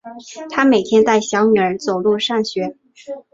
她每天带小女儿走路上学